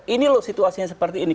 ini loh situasinya seperti ini